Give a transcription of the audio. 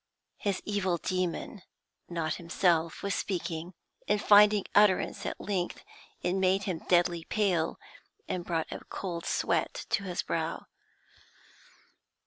His evil demon, not himself, was speaking; in finding utterance at length it made him deadly pale, and brought a cold sweat to his brow.